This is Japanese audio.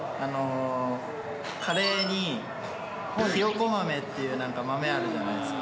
カレーにひよこ豆っていう、なんか豆あるじゃないですか。